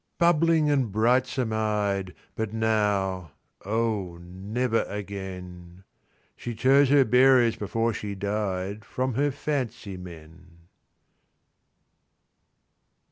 Bubbling and brightsome eyed! But now—O never again. She chose her bearers before she died From her fancy men.